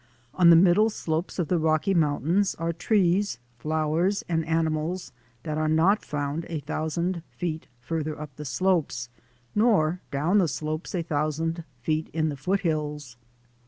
On the middle slopes of the Rocky Mountains are trees, flowers, and animals that are not found a thousand feet farther up the slopes nor down the slopes a thousand feet in the foot hills.